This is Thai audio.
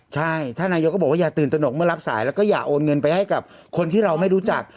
ใช่ท่านนายกก็บอกว่าอย่าตื่นตนกเมื่อรับสายแล้วก็อย่าโอนเงินไปให้กับคนที่เราไม่รู้จัก